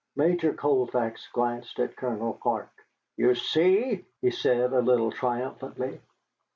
Major Colfax glanced at Colonel Clark. "You see!" he said a little triumphantly.